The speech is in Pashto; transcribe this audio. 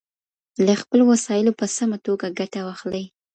له خپلو وسایلو په سمه توګه ګټه واخلئ.